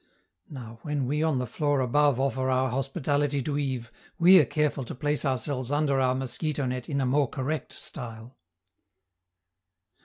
Now, when we on the floor above offer our hospitality to Yves, we are careful to place ourselves under our mosquito net in a more correct style!